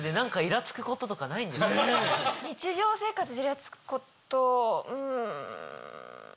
日常生活でイラつくことん。